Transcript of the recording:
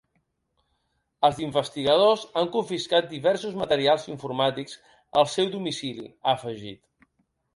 Els investigadors han confiscat “diversos materials informàtics” al seu domicili, ha afegit.